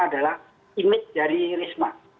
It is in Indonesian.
adalah image dari risma